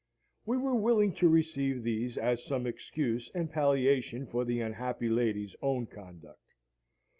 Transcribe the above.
We were willing to receive these as some excuse and palliation for the unhappy lady's own conduct.